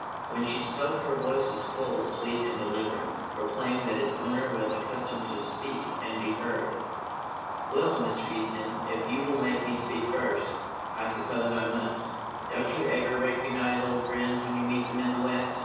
When she spoke her voice, full, sweet, and deliberate, proclaimed that its owner was accustomed to speak and be heard. "Well, Mr. Easton, if you will make me speak first, I suppose I must. Don't you ever recognize old friends when you meet them in the West?"